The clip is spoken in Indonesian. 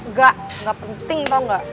nggak nggak penting tau nggak